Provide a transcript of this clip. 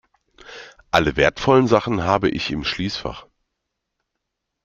Alle wertvollen Sachen habe ich im Schließfach.